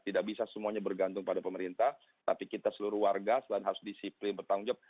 tidak bisa semuanya bergantung pada pemerintah tapi kita seluruh warga selain harus disiplin bertanggung jawab